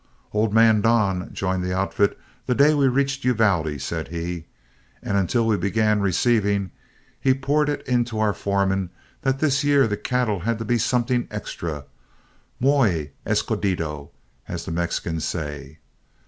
"Old man Don joined the outfit the day we reached Uvalde," said he, "and until we began receiving, he poured it into our foreman that this year the cattle had to be something extra muy escogido, as the Mexicans say.